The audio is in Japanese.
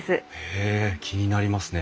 へえ気になりますね！